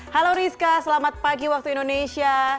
halo rizka selamat pagi waktu indonesia